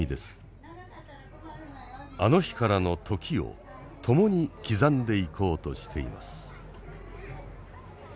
あの日からの時を共に刻んでいこうとしています。